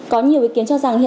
có nhiều ý kiến cho rằng